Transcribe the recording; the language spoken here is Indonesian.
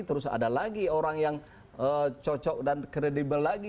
terus ada lagi orang yang cocok dan kredibel lagi